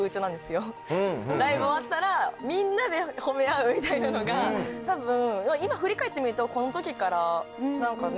ライブ終わったらみんなで褒め合うみたいなのが多分今振り返ってみるとこの時から何かね